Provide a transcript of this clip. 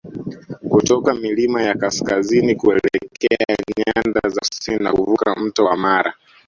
kutoka milima ya kaskazini kuelekea nyanda za kusini na kuvuka mto wa Mara